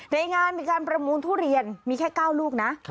ในงานมีการประมูลทุเรียนมีแค่๙ลูกนะ